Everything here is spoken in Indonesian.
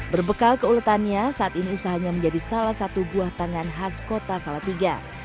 berbekal keuletannya saat ini usahanya menjadi salah satu buah tangan khas kota salatiga